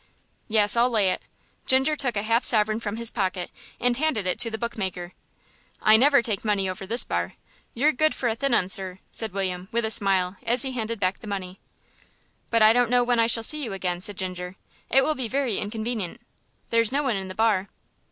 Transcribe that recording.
"Yes, I'll lay it." Ginger took a half sovereign from his pocket and handed it to the bookmaker. "I never take money over this bar. You're good for a thin 'un, sir," William said, with a smile, as he handed back the money. "But I don't know when I shall see you again," said Ginger. "It will be very inconvenient. There's no one in the bar."